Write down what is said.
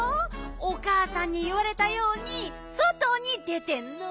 おかあさんにいわれたようにそとに出てんの。